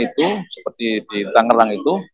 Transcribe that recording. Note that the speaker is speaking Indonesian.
itu seperti di tangerang itu